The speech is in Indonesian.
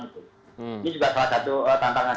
ini juga salah satu tantangan